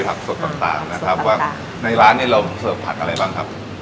ผักสดต่างต่างนะครับผักสดต่างต่างว่าในร้านเนี้ยเราเสิร์ฟผักอะไรบ้างครับ